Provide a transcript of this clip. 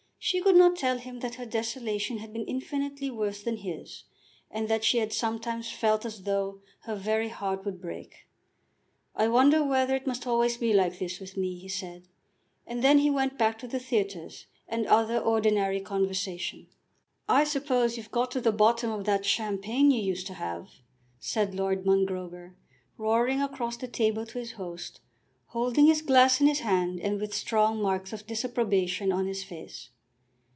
She could not tell him that her desolation had been infinitely worse than his, and that she had sometimes felt as though her very heart would break. "I wonder whether it must always be like this with me," he said, and then he went back to the theatres, and other ordinary conversation. "I suppose you've got to the bottom of that champagne you used to have," said Lord Mongrober, roaring across the table to his host, holding his glass in his hand, and with strong marks of disapprobation on his face.